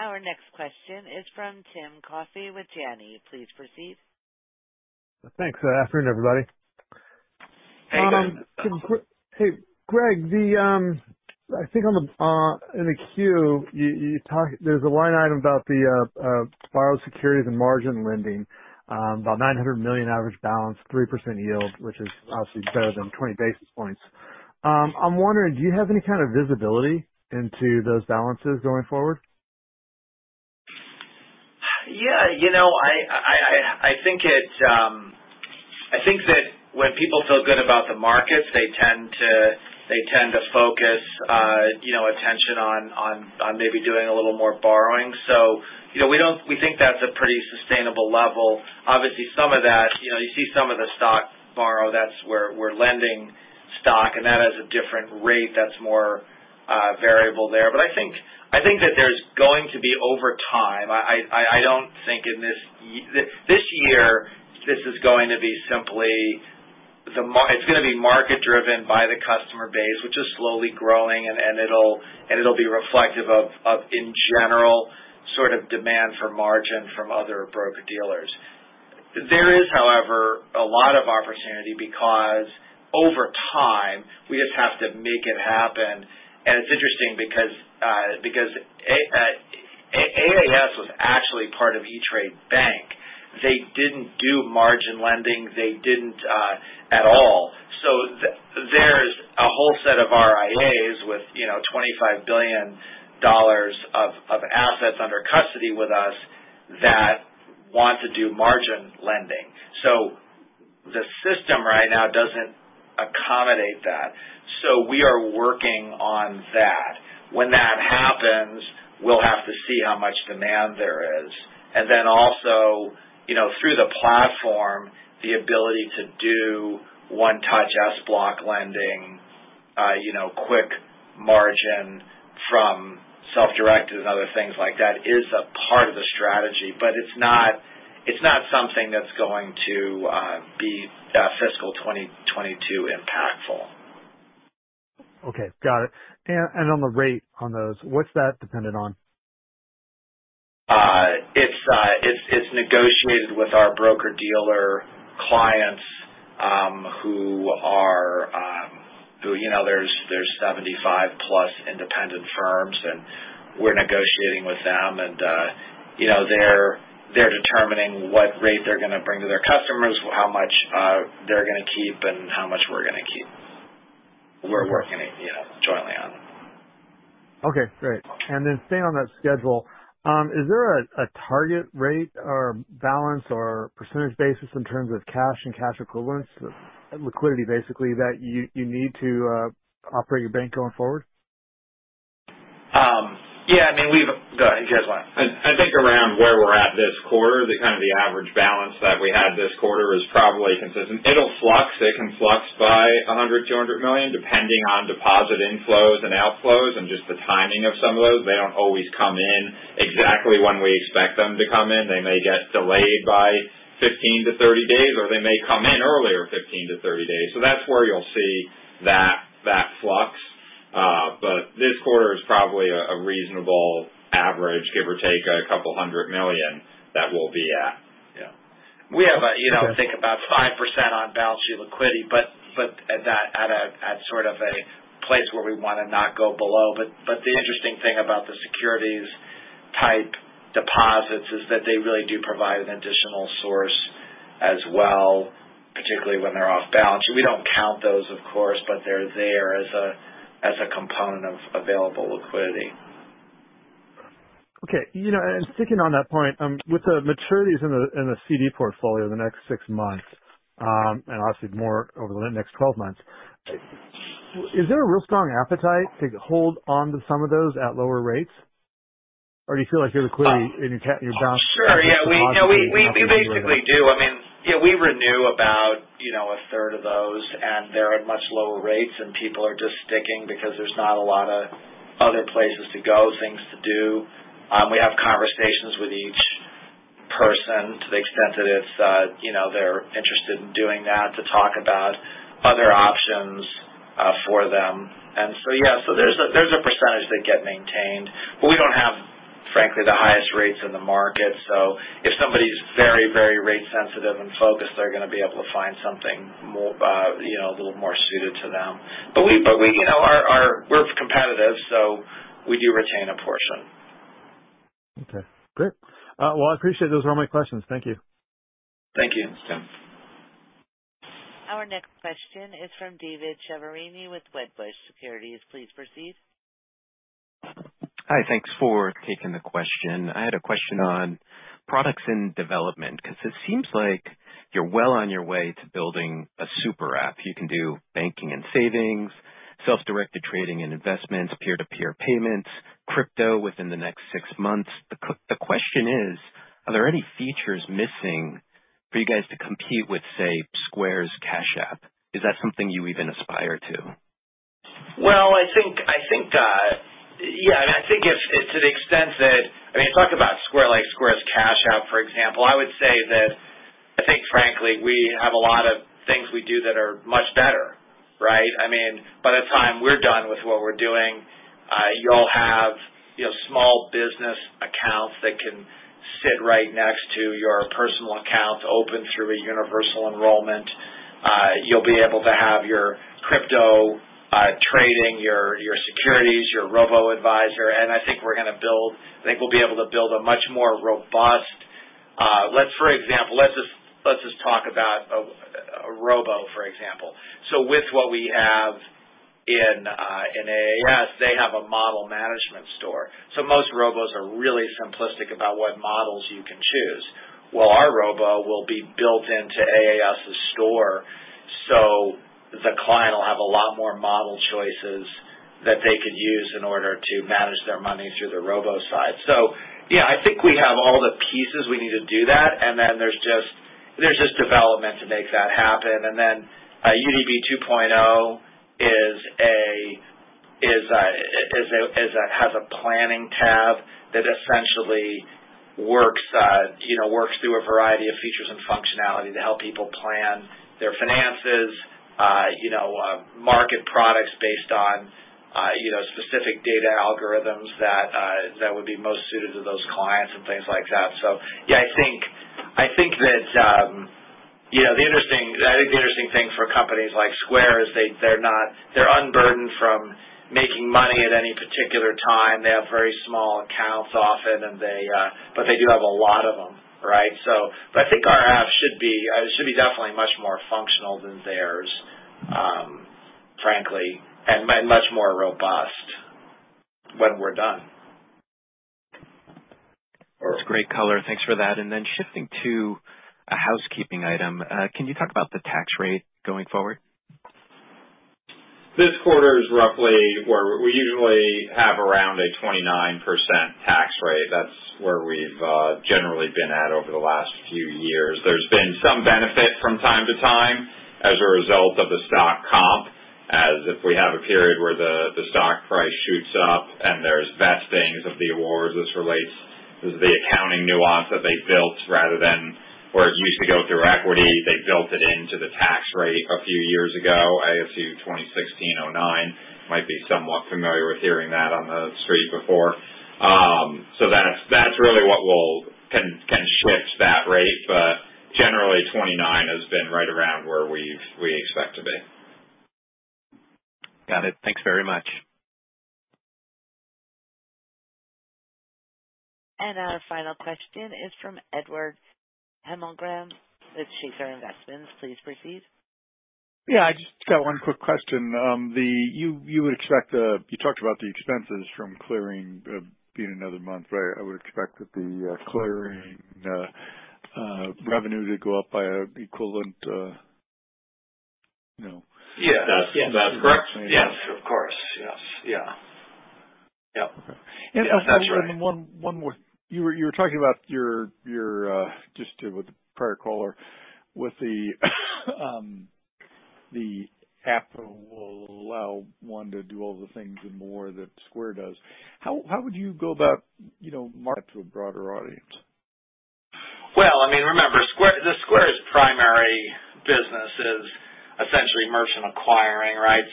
Our next question is from Tim Coffey with Janney. Please proceed. Thanks. Good afternoon, everybody. Hey. Hey, Greg, I think in the 10-Q, there's a line item about the borrowed securities and margin lending, about $900 million average balance, 3% yield, which is obviously better than 20 basis points. I'm wondering, do you have any kind of visibility into those balances going forward? Yeah. You know, I think that when people feel good about the markets, they tend to focus, you know, attention on maybe doing a little more borrowing. You know, we think that's a pretty sustainable level. Obviously, some of that, you know, you see some of the stock. We're lending stock, and that has a different rate that's more variable there. But I think that there's going to be over time. I don't think in this year, this is going to be simply the market. It's gonna be market-driven by the customer base, which is slowly growing, and then it'll be reflective of, in general, sort of demand for margin from other broker-dealers. There is, however, a lot of opportunity because over time, we just have to make it happen. It's interesting because AAS was actually part of E*TRADE Bank. They didn't do margin lending. They didn't at all so there is a whole set of RIAs with, you know, $25 billion of assets under custody with us that want to do margin lending. The system right now doesn't accommodate that so we are working on that. When that happens, we'll have to see how much demand there is. Then also, you know, through the platform, the ability to do one-touch SBLOC lending, you know, quick margin from self-directed and other things like that is a part of the strategy but it's not something that's going to be fiscal 2022 impactful. Okay. Got it. On the rate on those, what's that dependent on? It's negotiated with our broker-dealer clients, who are, you know, there's 75+ independent firms, and we're negotiating with them. You know, they're determining what rate they're gonna bring to their customers, how much they're gonna keep, and how much we're gonna keep. We're working, yeah, jointly on. Okay, great. Staying on that schedule, is there a target rate or balance or percentage basis in terms of cash and cash equivalents, liquidity, basically, that you need to operate your bank going forward? Yeah, I mean, go ahead. I think around where we're at this quarter, the average balance that we had this quarter is probably consistent. It'll flux. It can flux by $100-$200 million, depending on deposit inflows and outflows and just the timing of some of those. They don't always come in exactly when we expect them to come in. They may get delayed by 15-30 days, or they may come in earlier 15-30 days. That's where you'll see that flux but this quarter is probably a reasonable average, give or take $200 million that we'll be at. Yeah. We have a, you know, I think about 5% on balance sheet liquidity, but at that, at a sort of a place where we wanna not go below. The interesting thing about the securities type deposits is that they really do provide an additional source as well, particularly when they're off balance sheet. We don't count those, of course, but they're there as a component of available liquidity. Okay. You know, sticking on that point, with the maturities in the CD portfolio the next 6 months, and obviously more over the next 12 months, is there a real strong appetite to hold on to some of those at lower rates? Or do you feel like your liquidity and your balance? Sure. Yeah. We, you know, we basically do. I mean, yeah, we renew about, you know, a third of those, and they're at much lower rates, and people are just sticking because there's not a lot of other places to go, things to do. We have conversations with each person to the extent that it's, you know, they're interested in doing that to talk about other options, for them. Yeah. There's a percentage that get maintained. We don't have, frankly, the highest rates in the market. If somebody's very, very rate sensitive and focused, they're gonna be able to find something more, you know, a little more suited to them. We, you know, we're competitive, so we do retain a portion. Okay. Great. Well, I appreciate. Those were all my questions. Thank you. Thank you. Our next question is from David Chiaverini with Wedbush Securities. Please proceed. Hi. Thanks for taking the question. I had a question on products and development because it seems like you're well on your way to building a super app. You can do banking and savings, self-directed trading and investments, peer-to-peer payments, crypto within the next six months. The question is, are there any features missing for you guys to compete with, say, Square's Cash App? Is that something you even aspire to? Well, I think, yeah. I think if to the extent that I mean, talk about Square, like Square's Cash App, for example. I would say that I think frankly, we have a lot of things we do that are much better, right? I mean, by the time we're done with what we're doing, you'll have, you know, small business accounts that can sit right next to your personal accounts open through a universal enrollment. You'll be able to have your crypto trading, your securities, your robo-advisor, and I think we'll be able to build a much more robust. Let's, for example, let's just talk about a robo for example. With what we have in AAS, they have a model management store. Most robos are really simplistic about what models you can choose. Well, our robo will be built into AAS' store. The client will have a lot more model choices that they could use in order to manage their money through the robo side. Yeah, I think we have all the pieces we need to do that. There's just development to make that happen. UDB 2.0 has a planning tab that essentially works through a variety of features and functionality to help people plan their finances, you know, market products based on you know, specific data algorithms that would be most suited to those clients and things like that. Yeah, I think that you know the interesting thing for companies like Square is they're unburdened from making money at any particular time. They have very small accounts often, and but they do have a lot of them, right? But I think our app should be definitely much more functional than theirs, frankly, and much more robust when we're done. That's great color. Thanks for that. Shifting to a housekeeping item. Can you talk about the tax rate going forward? This quarter is roughly where we usually have around a 29% tax rate. That's where we've generally been at over the last few years. There's been some benefit from time to time as a result of the stock comp. As if we have a period where the stock price shoots up and there's vestings of the awards. This relates to the accounting nuance that they built rather than where it used to go through equity. They built it into the tax rate a few years ago. ASU 2016-09 might be somewhat familiar with hearing that on the street before so that's really what can shift that rate but generally, 29 has been right around where we expect to be. Got it. Thanks very much. Our final question is from Edward Hemmelgarn with Shaker Investments. Please proceed. Yeah, I just got one quick question. You talked about the expenses from clearing being another month, right? I would expect that the clearing revenue to go up by an equivalent, you know. Yeah. That's correct. Yes. Of course. Yes. Yeah. Yep. Okay. That's right. One more. You were talking about your UDB with the prior caller with the app will allow one to do all the things and more that Square does. How would you go about, you know, marketing to a broader audience? Well, I mean, remember Square, the Square's primary business is essentially merchant acquiring, right?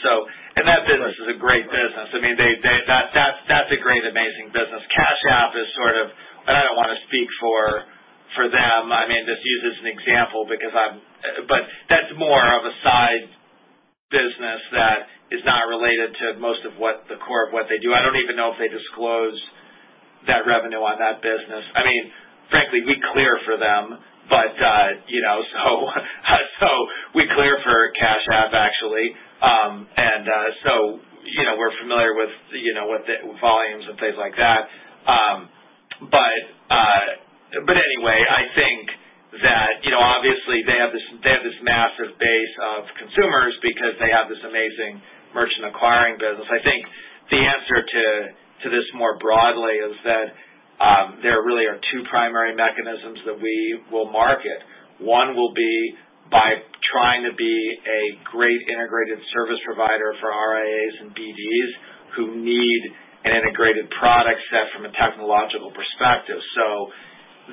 That business is a great business. I mean, that's a great, amazing business. Cash App is sort of I don't want to speak for them. I mean, just use as an example because I'm but that's more of a side business that is not related to most of what the core of what they do. I don't even know if they disclose that revenue on that business. I mean, frankly, we clear for them, but you know, so we clear for Cash App actually and so, you know, we're familiar with you know, with the volumes and things like that. Anyway, I think that, you know, obviously they have this massive base of consumers because they have this amazing merchant acquiring business. I think the answer to this more broadly is that, there really are two primary mechanisms that we will market. One will be by trying to be a great integrated service provider for RIAs and BDs who need an integrated product set from a technological perspective.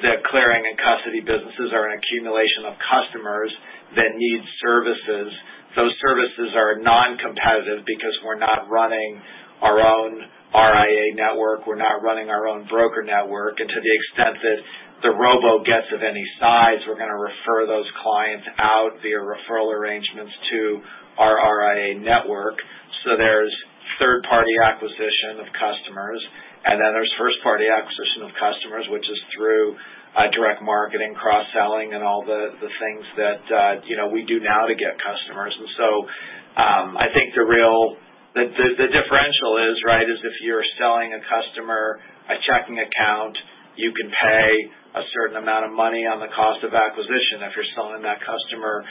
The clearing and custody businesses are an accumulation of customers that need services. Those services are non-competitive because we're not running our own RIA network, we're not running our own broker network to the extent that the robo gets of any size, we're gonna refer those clients out via referral arrangements to our RIA network. There's third-party acquisition of customers, and then there's first-party acquisition of customers, which is through direct marketing, cross-selling, and all the things that you know, we do now to get customers. I think the real differential is, right, if you're selling a customer a checking account, you can pay a certain amount of money on the cost of acquisition. If you're selling that customer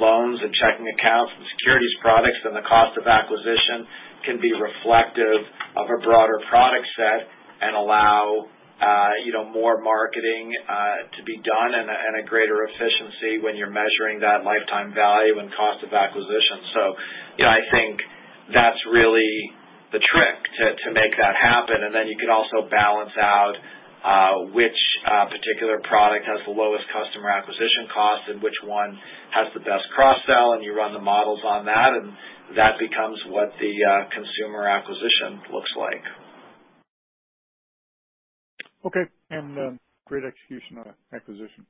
loans and checking accounts and securities products, then the cost of acquisition can be reflective of a broader product set and allow you know, more marketing to be done and a greater efficiency when you're measuring that lifetime value and cost of acquisition. You know, I think that's really the trick to make that happen. You can also balance out which particular product has the lowest customer acquisition cost and which one has the best cross-sell, and you run the models on that, and that becomes what the consumer acquisition looks like. Okay. Great execution on acquisition.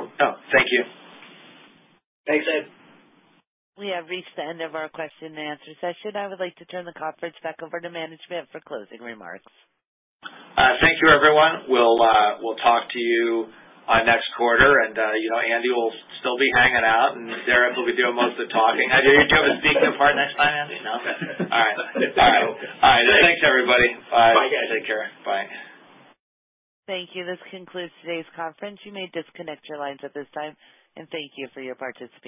Oh, thank you. Thanks, Ed. We have reached the end of our question and answer session. I would like to turn the conference back over to management for closing remarks. Thank you everyone. We'll talk to you next quarter. You know, Andy will still be hanging out and Derrick will be doing most of the talking. Do you want me to speak the part next time, Andy? No? Okay. All right. Thanks, everybody. Bye. Bye guys. Take care. Bye. Thank you. This concludes today's conference. You may disconnect your lines at this time. Thank you for your participation.